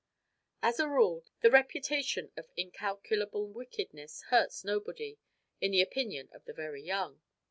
As a rule, the reputation of incalculable wickedness hurts nobody, in the opinion of the very young.